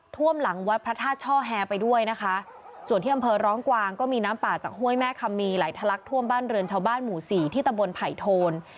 ท่วมหลังวัดพระธาตุช่อแฮไปด้วยนะคะส่วนที่อำเภอร้องกวางก็มีน้ำป่าจากห้วยแม่คำมีไหลทะลักท่วมบ้านเรือนชาวบ้านหมู่สี่ที่ตำบลไผ่โทน